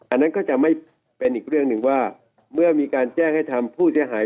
อันนั้นก็จะไม่เป็นอีกเรื่องหนึ่งว่าเมื่อมีการแจ้งให้ทำผู้เสียหาย